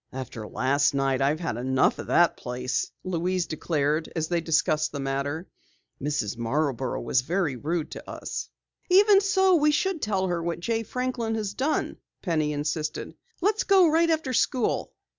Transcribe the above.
"After last night I've had enough of that place," Louise declared as they discussed the matter. "Mrs. Marborough was very rude to us." "Even so, we should tell her what Jay Franklin has done," Penny insisted. "Let's go right after school."